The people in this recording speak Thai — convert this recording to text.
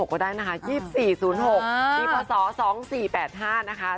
ก็ได้นะคะ๒๔๐๖ปีพศ๒๔๘๕นะคะ